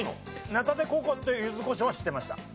ナタデココとゆずこしょうは知ってました。